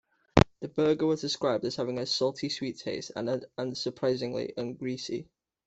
The burger was described as having a salty-sweet taste, and surprisingly ungreasy.